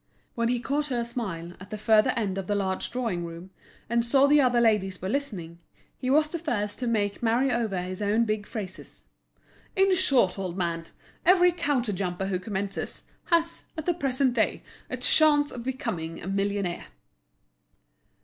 When he caught her smile, at the further end of the large drawing room, and saw the other ladies were listening, he was the first to make merry over his own big phrases. "In short, old man, every counter jumper who commences, has, at the present day, a chance of becoming a millionaire."